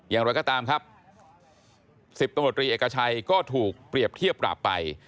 อย่างไรก็ตามครับ๑๐ตำรวจรีเอกชัยก็ถูกเปรียบเทียบปราบไป